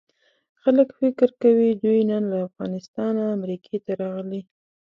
خلک فکر کوي دوی نن له افغانستانه امریکې ته راغلي.